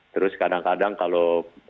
terus kadang kadang kalau